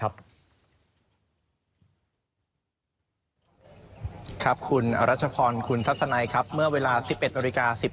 ครับคุณรัชพรคุณทัศนัยครับเมื่อเวลาสิบเอ็ดนอริกาสิบ